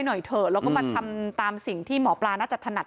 หน่อยเถอะแล้วก็มาทำตามสิ่งที่หมอปลาน่าจะถนัด